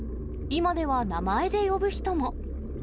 今では名前で呼ぶ人も。